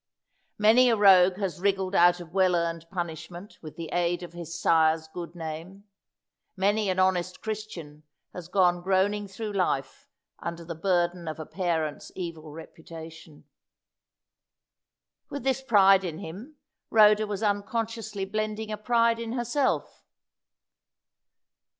Many a rogue has wriggled out of well earned punishment with the aid of his sire's good name. Many an honest Christian has gone groaning through life under the burden of a parent's evil reputation. With this pride in him Rhoda was unconsciously blending a pride in herself.